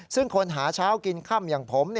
ซึ่งคนหาเช้ากินค่ำอย่างผม